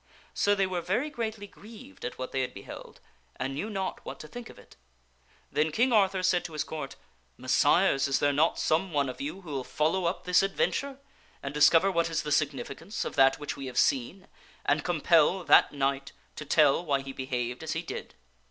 So they were very greatly grieved at what they had beheld and knew not what to think of it. Then King Arthur said to his Court, " Messires, is there not some one of you who will follow up this adventure and discover what is the significance of that which we have seen, and compel that knight to tell why he behaved as he did?"